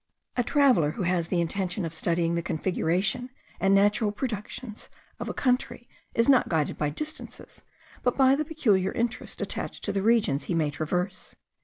A traveller who has the intention of studying the configuration and natural productions of a country is not guided by distances, but by the peculiar interest attached to the regions he may traverse.